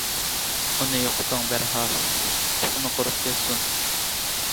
ئۇنى يوقىتىڭ دەرھال، تۇخۇمى قۇرۇپ كەتسۇن.